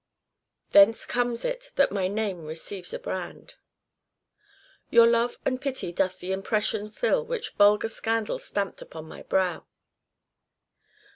" Thence conies it that my name receives a brand." " Your love and pity doth the impression fill, Which vulgar scandal stamp'd upon my brow."